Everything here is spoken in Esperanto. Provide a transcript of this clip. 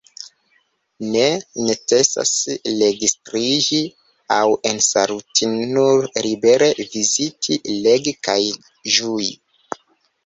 Ne necesas registriĝi aŭ ensaluti – nur libere viziti, legi kaj ĝui.